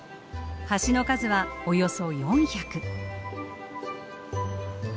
橋の数はおよそ４００。